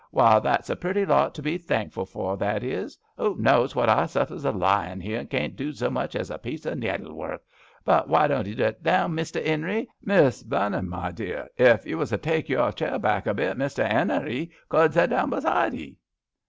Why, that's a pretty lawt to be thankful fur, that is I Who knaws what I suffers a lyin* 'ere and caen't do zo much as a piece o' naidlework ? But why doan't 'ee zet down, Mester 'Enery? Miss Vernon, my dear, ef you was to take your chair back a bit, Mester 'Enery could zet down aside 'ee.